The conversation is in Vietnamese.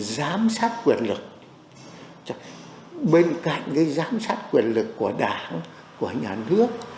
giám sát quyền lực bên cạnh giám sát quyền lực của đảng của nhà nước